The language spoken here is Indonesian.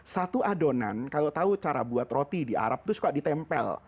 satu adonan kalau tahu cara buat roti di arab itu suka ditempel